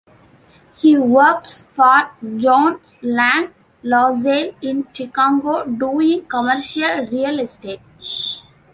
He works for Jones Lang LaSalle in Chicago doing commercial real estate.